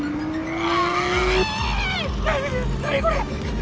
あ！